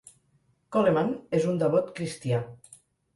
Coleman és un devot cristià.